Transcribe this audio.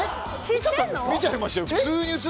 見ちゃいましたよ。